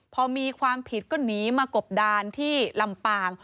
พอมีความผิดก็หนีมากบดานที่ลำปาง